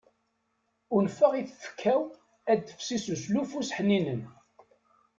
Unfeɣ i tfekka-w ad tefsi s uslufu-s ḥninen.